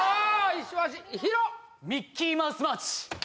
石橋陽彩「ミッキーマウス・マーチ」